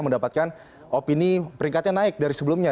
mendapatkan opini peringkatnya naik dari sebelumnya